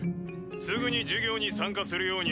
すぐに授業に参加するように。